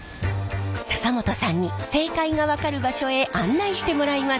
笹本さんに正解が分かる場所へ案内してもらいます。